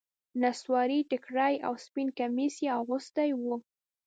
نصواري ټيکری او سپين کميس يې اغوستي وو.